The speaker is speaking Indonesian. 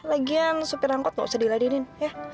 lagian supir angkut nggak usah diladainin ya